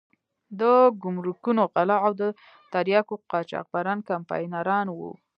د ګمرکونو غله او د تریاکو قاچاقبران کمپاینران وو.